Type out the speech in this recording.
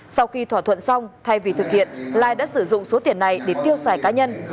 sau khi thỏa thuận xong thay vì thực hiện lai đã sử dụng số tiền này để tiêu xài cá nhân